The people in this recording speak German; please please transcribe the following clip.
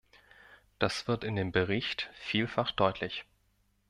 Das wird in dem Bericht vielfach deutlich.